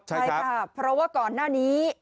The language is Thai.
ใช่ค่ะเพราะว่าก่อนหน้านี้